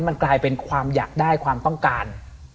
มันกลายเป็นความอยากได้ความต้องการ